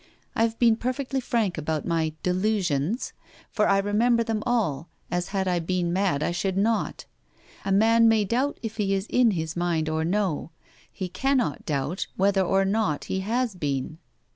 I have been perfectly frank about my 'delusions,' for I remember them all, as had I been mad I should not. A man may doubt if he is in his mind or no; he cannot doubt whether or not he has been.